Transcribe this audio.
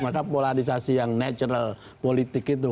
maka polarisasi yang natural politik itu